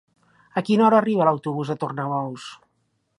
A quina hora arriba l'autobús de Tornabous?